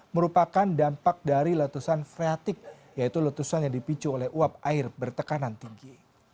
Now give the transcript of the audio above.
merupakan dampak dari letusan freatik yaitu letusan yang dipicu oleh uap air bertekanan tinggi